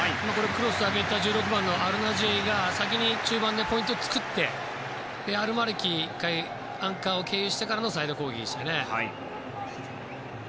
クロスを上げたアルナジェイが先に中盤でポイントを作ってアルマルキが１回アンカーを経由してからのサイド攻撃でしたね。